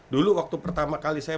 dulu waktu pertama kali saya